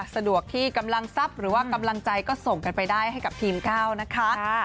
สะดวกที่กำลังทรัพย์หรือว่ากำลังใจก็ส่งกันไปได้ให้กับทีมก้าวนะคะ